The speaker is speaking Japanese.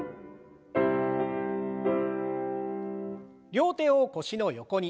両手を腰の横に。